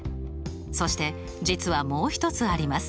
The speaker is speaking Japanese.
そして実はもう一つあります。